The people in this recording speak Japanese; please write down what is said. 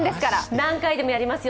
何回でもやりますよ。